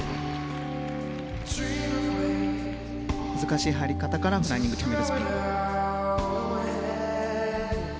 難しい入り方からフライングキャメルスピン。